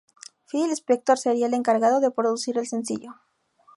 Phil Spector sería el encargado de producir el sencillo.